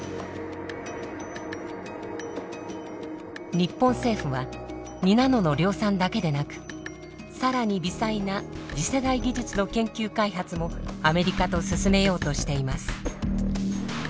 日本政府は２ナノの量産だけでなく更に微細な次世代技術の研究開発もアメリカと進めようとしています。